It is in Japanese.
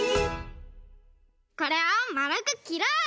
これをまるくきろう！